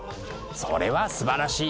それはすばらしい！